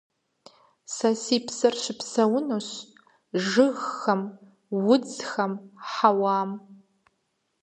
Сэ си псэр щыпсэунцущ жыгхэм, удзхэм, хьэуам.